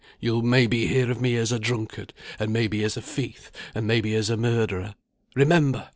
you'll may be hear of me as a drunkard, and may be as a thief, and may be as a murderer. Remember!